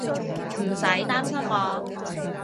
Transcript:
唔使擔心我